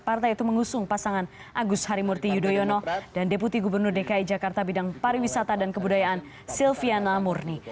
partai itu mengusung pasangan agus harimurti yudhoyono dan deputi gubernur dki jakarta bidang pariwisata dan kebudayaan silviana murni